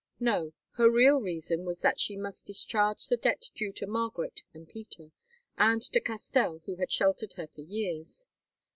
No, her real reason was that she must discharge the debt due to Margaret and Peter, and to Castell who had sheltered her for years.